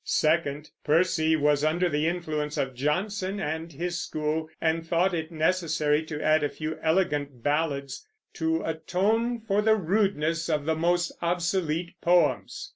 Second; Percy was under the influence of Johnson and his school, and thought it necessary to add a few elegant ballads "to atone for the rudeness of the more obsolete poems."